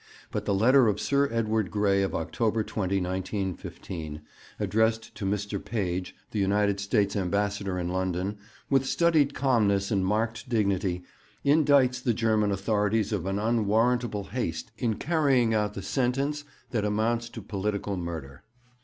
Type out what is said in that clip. But the letter of Sir Edward Grey of October 20, 1915, addressed to Mr. Page, the United States Ambassador in London, with studied calmness and marked dignity indicts the German authorities of an unwarrantable haste in carrying out the sentence that amounts to political murder.